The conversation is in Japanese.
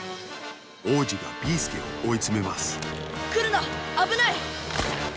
王子がビーすけをおいつめますくるなあぶない！